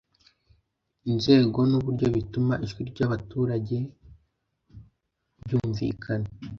inzego n'uburyo bituma ijwi ry'abaturage ryumvikana